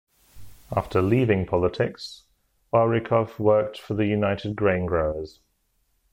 After leaving politics, Wawrykow worked for the United Grain Growers.